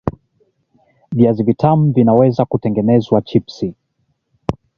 Viazi vitamu vinaweza kutengenezwa chips